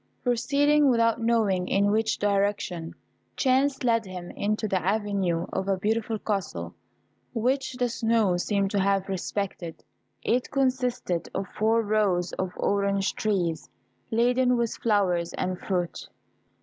Proceeding without knowing in which direction, chance led him into the avenue of a beautiful castle, which the snow seemed to have respected. It consisted of four rows of orange trees, laden with flowers and fruit.